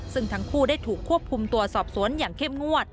ซึ่งทั้งคู่ได้ถูกควบคุมตัวสอบสวนอย่างเข้มงวด